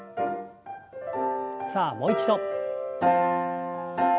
さあもう一度。